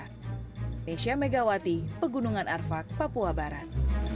nesya megawati pegunungan arfak papua barat